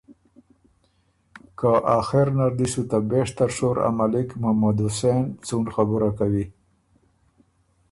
که آخر نر دی سو ته بېشتر شور ا ملِک محمد حسېن څون خبره کوی